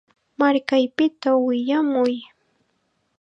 Markaypita willamuy.